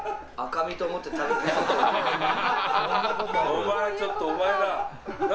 お前ちょっと、お前な。